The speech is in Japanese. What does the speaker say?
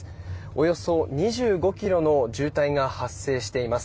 およそ２５ｋｍの渋滞が発生しています。